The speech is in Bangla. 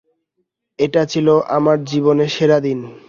এটা ছিল আমার জীবনের সেরা দিন।